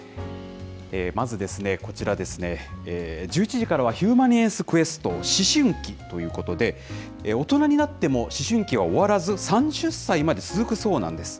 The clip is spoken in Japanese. まずですね、こちらですね、１１時からはヒューマニエンスＱ、思春期ということで、大人になっても思春期は終わらず、３０歳まで続くそうなんです。